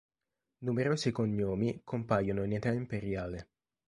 Numerosi cognomi compaiono in età imperiale.